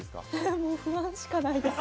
もう不安しかないです